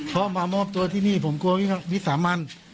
เพราะมามอบตัวที่นี่ผมกลัววิสามัน